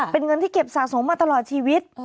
เป็นเงินที่เก็บสะสมมาตลอดชีวิต